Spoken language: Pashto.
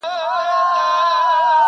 یار راوړی له سپوږمۍ ګل د سوما دی